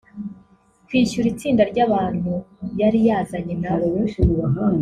kwishyura itsinda ry’abantu yari yazanye na bo